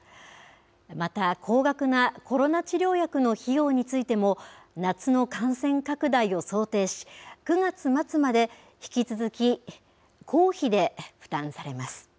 また、高額なコロナ治療薬の費用についても、夏の感染拡大を想定し、９月末まで引き続き公費で負担されます。